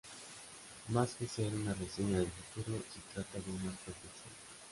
Más que ser una reseña del futuro, se trata de una profecía.